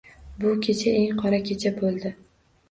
Bu kecha eng qora kecha bo‘ldi